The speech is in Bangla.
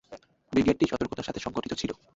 ব্রিগেডটি সতর্কতার সাথে সংগঠিত ছিল।